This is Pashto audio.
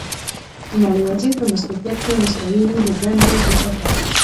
د ماليې وزیر په مستوفیت کې مستوفي له دندې ګوښه کړ.